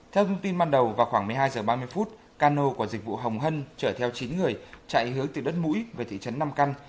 theo thông tin ban đầu vào khoảng một mươi hai h ba mươi phút cano của dịch vụ hồng hân chở theo chín người chạy hướng từ đất mũi về thị trấn nam căn